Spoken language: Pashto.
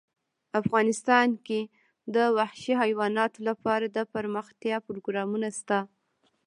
افغانستان کې د وحشي حیواناتو لپاره دپرمختیا پروګرامونه شته.